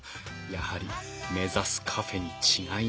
やはり目指すカフェに違いないはず。